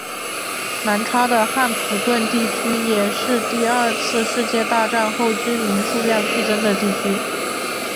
南叉的汉普顿地区也是第二次世界大战后居民数量剧增的地区。